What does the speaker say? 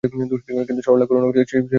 কিন্তু সরলা করুণা, সে অত কী বুঝিবে!